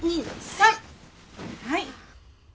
はい。